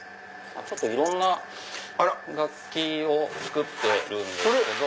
いろんな楽器を作ってるんですけど。